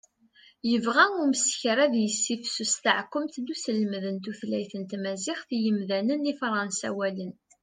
yebɣa umeskar ad yessifsus taɛekkumt n uselmed n tutlayt tamaziɣt i yimdanen ifransawalen